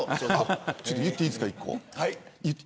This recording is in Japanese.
ちょっと言っていいですか。